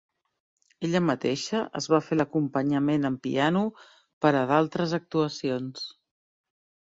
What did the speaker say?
Ella mateixa es va fer l'acompanyament en piano per a d'altres actuacions.